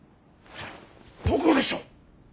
どこでしょう。